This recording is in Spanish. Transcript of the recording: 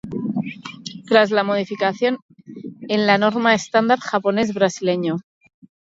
Tras la modificación en la norma estándar japones-brasileño.